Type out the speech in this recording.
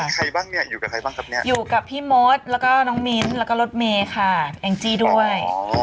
ใครบ้างเนี่ยอยู่กับใครบ้างครับเนี่ยอยู่กับพี่มดแล้วก็น้องมิ้นท์แล้วก็รถเมย์ค่ะแองจี้ด้วย